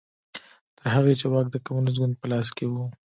تر هغې چې واک د کمونېست ګوند په لاس کې و